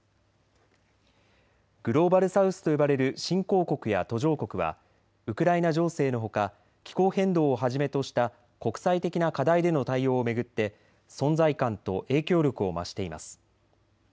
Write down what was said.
グローバル・サウスと呼ばれる新興国や途上国はウクライナ情勢のほか気候変動をはじめとした国際的な課題での対応を巡って存在感と影響力を増しています。